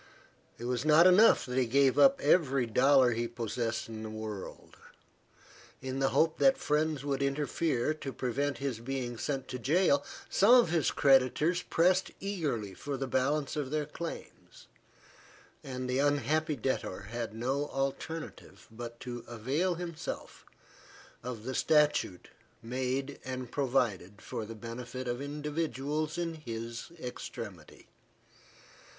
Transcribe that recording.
It was not enough that he gave up every dollar he possessed in the world. In the hope that friends would interfere to prevent his being sent to jail, some of his creditors pressed eagerly for the balance of their claims, and the unhappy debtor had no alternative but to avail himself of the statute made and provided for the benefit of individuals in his extremity.